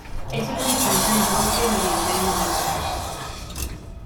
Es un habitante del bosque del oriente de Madagascar.